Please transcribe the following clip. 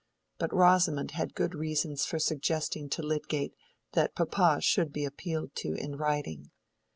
But Rosamond had good reasons for suggesting to Lydgate that papa should be appealed to in writing.